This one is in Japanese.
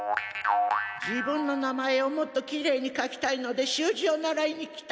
自分の名前をもっときれいに書きたいので習字を習いに来た。